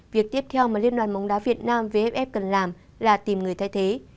việc tiếp theo mà liên đoàn bóng đá việt nam vff cần làm là tìm người thay thế